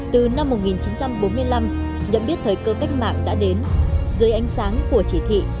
từ năm một nghìn chín trăm bốn mươi năm nhận biết thời cơ cách mạng đã đến dưới ánh sáng của chỉ thị